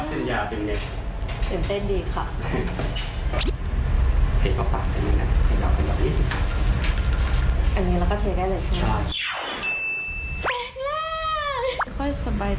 อันนี้เราก็เทได้หนึ่งชั่วเหรอคะโชคดี